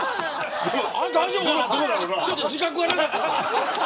ちょっと自覚がなかった。